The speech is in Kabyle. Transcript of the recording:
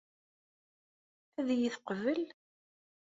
Ad iyi-teqbel?